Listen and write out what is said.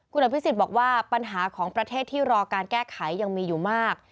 คุณอภิษฎบอกว่าปัญหาของประเทศที่รอการแก้ไขยังมีอยู่มาก